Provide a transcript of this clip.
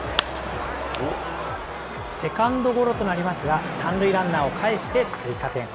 セカンドゴロとなりますが、３塁ランナーをかえして追加点。